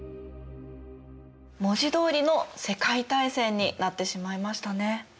文字どおりの世界大戦になってしまいましたね。